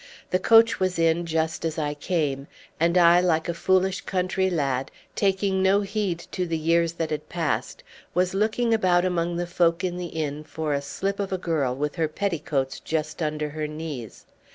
The coach was in just as I came, and I, like a foolish country lad, taking no heed to the years that had passed, was looking about among the folk in the Inn front for a slip of a girl with her petticoats just under her knees.